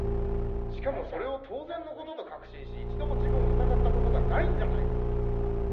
しかもそれを当然の事と確信し、一度も自分を疑った事が無いんじゃないか？